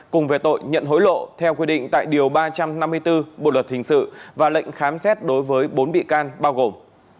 cùng về tội nhận hối lộ theo quy định tại điều ba trăm năm mươi bốn bộ luật hình sự và lệnh khám xét đối với bốn bị can bao gồm